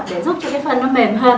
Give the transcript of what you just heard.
để giúp cho cái phần nó mềm hơn